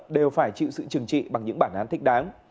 đều phải chịu sự trừng trị bằng những bản án thích đáng